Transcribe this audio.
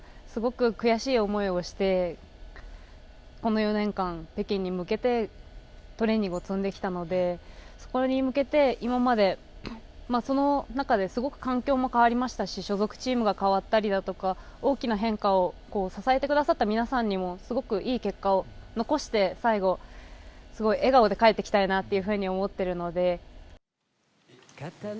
すごく悔しい思いをしてこの４年間、北京に向けてトレーニングを積んできたのでそこに向けて今までその中ですごく環境も変わりましたし所属チームが変わったりだとか大きな変化を支えてくださった皆さんにもすごく良い結果を残して最後笑顔で帰って来たいなというふうに思っているので。